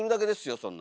そんな。